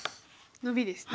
ノビですね。